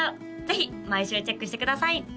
ぜひ毎週チェックしてください